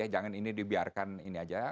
jangan ini dibiarkan ini aja